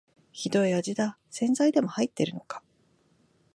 ひどい味だ、洗剤でも入ってるのか